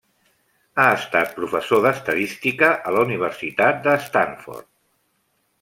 Ha estat professor d'estadística a la Universitat de Stanford.